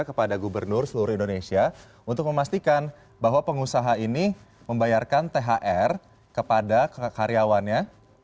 kepada gubernur seluruh indonesia untuk memastikan bahwa pengusaha ini membayarkan thr kepada karyawannya